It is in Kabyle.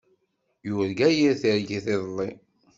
Yurga yir targit iḍelli.